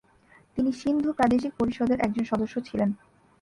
তিনি সিন্ধু প্রাদেশিক পরিষদের একজন সদস্য ছিলেন।